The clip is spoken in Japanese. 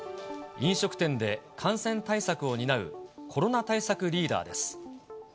飲食店で感染対策を担うコロナ対策リーダーです。